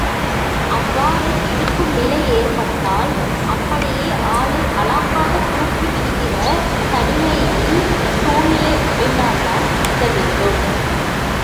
அவ்வாறு பிடிக்கும் நிலை ஏற்பட்டால், அப்படியே ஆளை அலாக்காகத் துக்கி விடுகின்ற தன்மையில் சூழ்நிலை அமைந்தால்தான் பிடிக்க வேண்டும்.